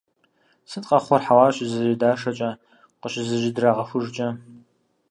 Сыт къэхъур хьэуар щызэжьэдашэкӀэ, къыщызэжьэдрагъэхужкӀэ?